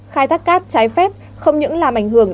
khai thác cát trái phép không những làm ảnh hưởng